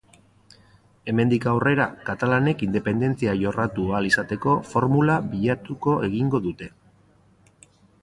Hemendik aurrera, katalanek independentzia jorratu ahal izateko formula bilatuko egingo dute.